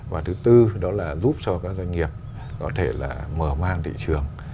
và thứ tư đó là giúp cho các doanh nghiệp có thể là mở mang thị trường